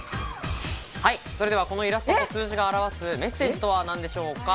それではこのイラストの数字が表すメッセージとは、何でしょうか？